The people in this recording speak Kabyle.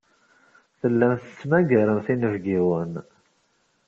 Tellamt tettmagaremt inebgiwen.